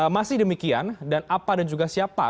masih demikian dan apa dan juga siapa